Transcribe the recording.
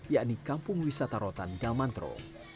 yakni kampung wisata rotan dalmantro